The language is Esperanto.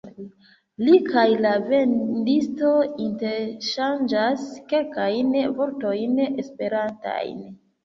Li kaj la vendisto interŝanĝas kelkajn vortojn esperantajn.